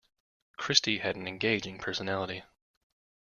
Christy has an engaging personality.